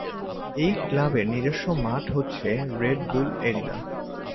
এই ক্লাবের নিজস্ব মাঠ হচ্ছে রেড বুল এরিনা।